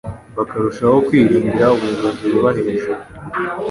bakarushaho kwiringira ubuyobozi bubari hejuru.